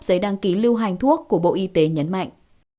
giấy đăng ký lưu hành thuốc của bộ y tế nhấn mạnh